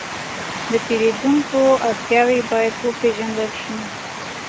د پیرودونکو اړتیاوې باید وپېژندل شي.